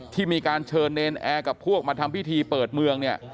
ที่มีการเชิญเนรนแอร์กับพวกมาทำพิธีเปิดเมืองเนี่ย